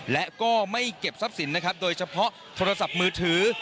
และก็ไม่เก็บทรัพย์สินนะครับโดยเฉพาะโทรศัพท์มือถือ